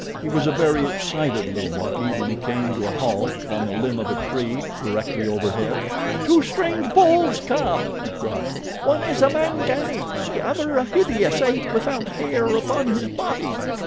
He was a very excited little monkey when he came to a halt upon the limb of a tree directly overhead. "Two strange bulls come," he cried. "One is a Mangani, the other a hideous ape without hair upon his body.